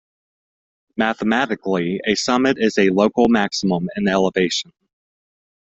Mathematically, a summit is a local maximum in elevation.